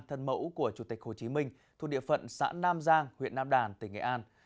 thân mẫu của chủ tịch hồ chí minh thuộc địa phận xã nam giang huyện nam đàn tỉnh nghệ an